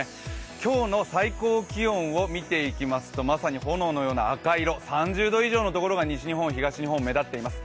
今日の最高気温を見ていきますとまさに炎のような赤色、３０度以上の所が西日本、東日本目立っています。